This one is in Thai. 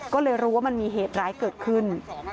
ก็เลยรู้ว่ามันมีเหตุร้ายเกิดขึ้น